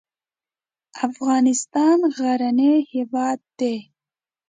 افغانستان غرنی هېواد دی.